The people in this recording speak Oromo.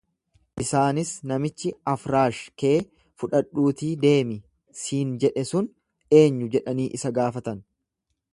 Isaanis, Namichi afraash kee fudhadhuutii deemi siin jedhe sun eenyu jedhanii isa gaafatan.